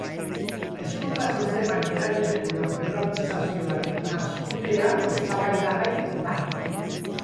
Hezkuntza-sistemari eragiten dion pribatizazioaren hazkundea eztabaidagai da.